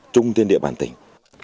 trung tiên địa bàn tỉnh